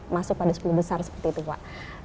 masuk pada sepuluh besar seperti itu pak